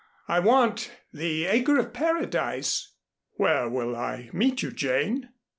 I want the acre of Paradise." "Where will I meet you, Jane?"